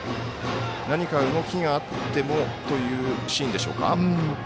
何か動きがあってもというシーンでしょうか。